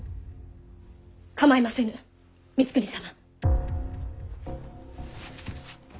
構いませぬ光圀様。